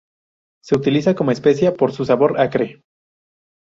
Se utiliza como especia por su sabor acre.